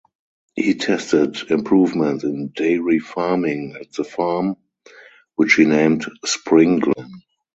He tested improvements in dairy farming at the farm which he named Spring Glen.